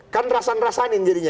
kan rasan rasanin jadinya